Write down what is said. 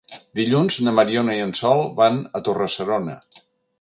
Dilluns na Mariona i en Sol van a Torre-serona.